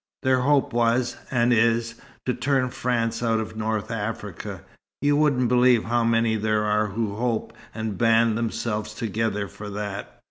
Their hope was and is to turn France out of North Africa. You wouldn't believe how many there are who hope and band themselves together for that.